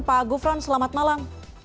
pak gufron selamat malam